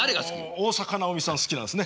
大坂なおみさん好きなんですね。